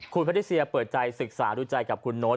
คุณพนิเซียเปิดใจศึกษาดูใจกับคุณโน๊ต